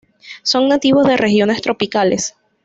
Son nativos de regiones tropicales.